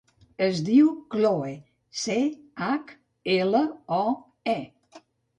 Es diu Chloe: ce, hac, ela, o, e.